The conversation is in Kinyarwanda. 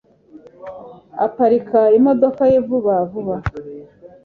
aparika imodoka ye vuba vuba